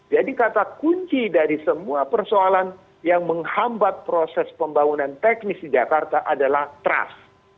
kata kunci dari semua persoalan yang menghambat proses pembangunan teknis di jakarta adalah trust